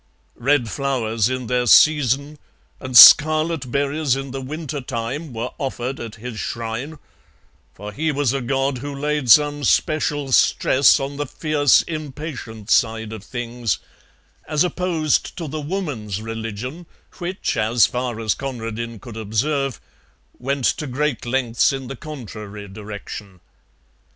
Red flowers in their season and scarlet berries in the winter time were offered at his shrine, for he was a god who laid some special stress on the fierce impatient side of things, as opposed to the Woman's religion, which, as far as Conradin could observe, went to great lengths in the contrary direction.